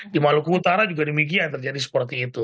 di maluku utara juga demikian terjadi seperti itu